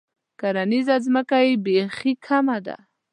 کرنیزه ځمکه یې بیخي کمه ده.